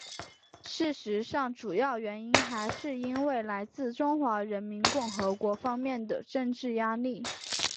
事实上主要原因还是因为来自中华人民共和国方面的政治压力。